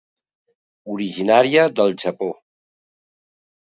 Originària del Japó.